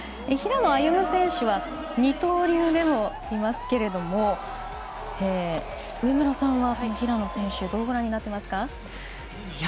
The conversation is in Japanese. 平野歩夢選手は二刀流でもありますけれども上村さんは平野選手どうご覧になってますか？